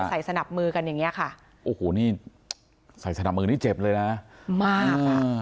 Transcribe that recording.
สนับมือกันอย่างเงี้ยค่ะโอ้โหนี่ใส่สนับมือนี่เจ็บเลยนะไม่ค่ะ